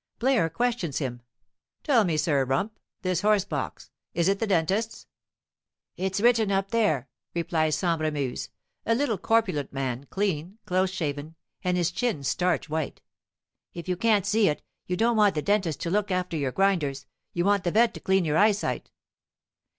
Blaire questions him "Tell me, Sir Rump, this horse box is it the dentist's?" "It's written up there," replies Sambremeuse a little corpulent man, clean, close shaven, and his chin starch white. "If you can't see it, you don't want the dentist to look after your grinders, you want the vet to clean your eyesight."